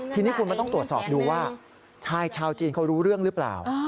ทีนี้คุณมันต้องตรวจสอบดูว่าชายชาวจีนเขารู้เรื่องหรือเปล่า